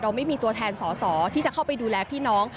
ไม่มีตัวแทนสอสอที่จะเข้าไปดูแลพี่น้อง